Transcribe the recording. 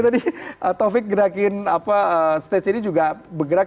tadi taufik gerakin stage ini juga bergerak